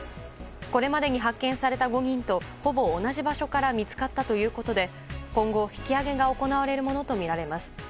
これまでに発見された５人とほぼ同じ場所から見つかったということで今後、引き揚げが行われるものとみられます。